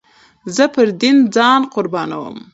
زه پر دين ځان قربانوم.